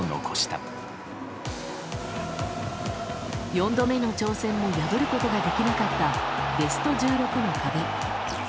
４度目の挑戦も破ることができなかったベスト１６の壁。